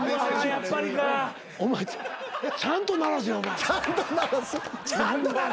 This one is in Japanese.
お前ちゃんと鳴らせお前。